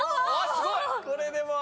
すごい。